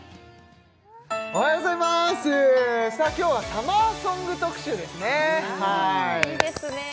おはようございますさあ今日はサマーソング特集ですねはいいいですね